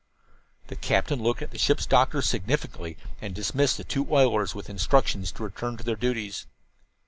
The captain looked at the ship's doctor significantly and dismissed the two oilers with instructions to return to their duties.